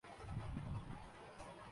رواں اردو کی غرض سے گرین ہاؤس کو سبز مکان